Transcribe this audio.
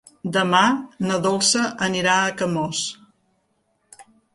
Demà na Dolça anirà a Camós.